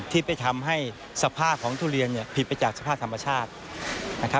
ที่ไปทำให้สภาพของทุเรียนผิดไปจากสภาพธรรมชาติ